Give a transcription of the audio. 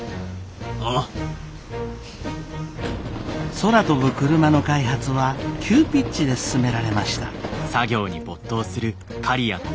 空飛ぶクルマの開発は急ピッチで進められました。